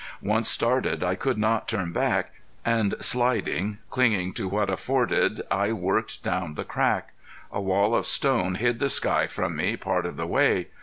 Once started, I could not turn back, and sliding, clinging to what afforded, I worked down the crack. A wall of stone hid the sky from me part of the way.